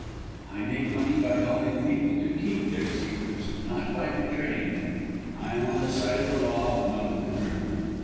"I make money by helping people to keep their secrets, not by betraying them. I am on the side of the law, not of the criminal.